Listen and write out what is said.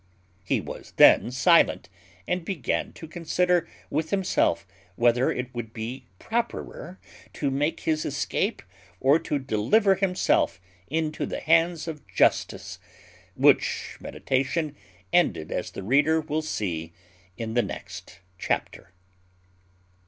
He was then silent, and began to consider with himself whether it would be properer to make his escape, or to deliver himself into the hands of justice; which meditation ended as the reader will see in the next chapter.